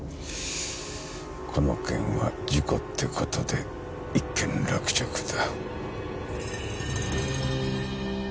この件は事故ってことで一件落着だ。